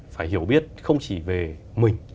phải hiểu biết không chỉ về mình